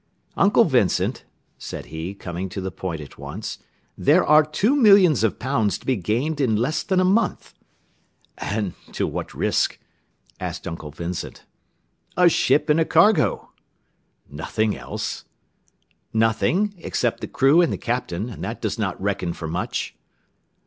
"Uncle Vincent," said he, coming to the point at once, "there are two millions of pounds to be gained in less than a month." "And what to risk?" asked Uncle Vincent. "A ship and a cargo." "Nothing else?" "Nothing, except the crew and the captain, and that does not reckon for much."